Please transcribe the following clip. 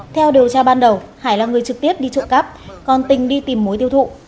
theo điều tra ban đầu hải là người trực tiếp đi trộm cắp còn tình đi tìm mối tiêu thụ